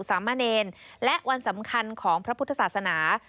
สามเณรและวันสำคัญของพระพุทธศาสนา